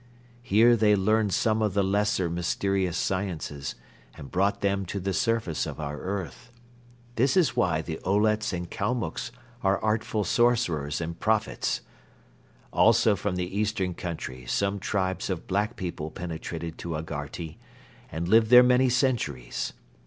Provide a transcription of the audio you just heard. Here they learned some of the lesser mysterious sciences and brought them to the surface of our earth. This is why the Olets and Kalmucks are artful sorcerers and prophets. Also from the eastern country some tribes of black people penetrated to Agharti and lived there many centuries.